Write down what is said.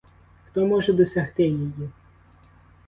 Хто може досягти її?